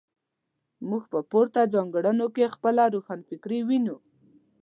موږ په پورته ځانګړنو کې خپله روښانفکري وینو.